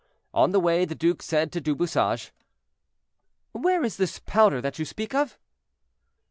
On the way the duke said to Du Bouchage, "Where is this powder that you speak of?"